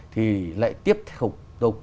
thì lại tiếp tục